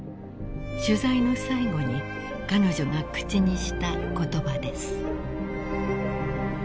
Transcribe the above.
［取材の最後に彼女が口にした言葉です］